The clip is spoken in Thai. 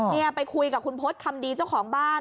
นี่ไปคุยกับคุณพศคำดีเจ้าของบ้าน